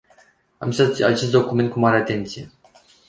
Am citit acest document cu mare atenție.